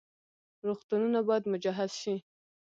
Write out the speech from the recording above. روغتونونه باید مجهز شي